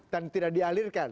dan tidak dialirkan